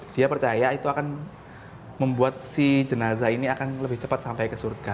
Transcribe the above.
dia percaya itu akan membuat si jenazah ini akan lebih cepat sampai ke surga